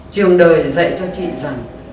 trường đời dạy cho chị rằng